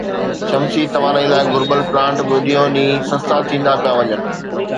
شمسي توانائي لاءِ گھربل پلانٽ به ڏينهون ڏينهن سستا ٿيندا پيا وڃن